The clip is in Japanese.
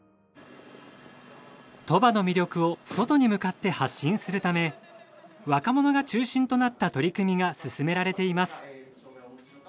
鳥羽の魅力を外に向かって発信するため若者が中心となった取り組みが進められています。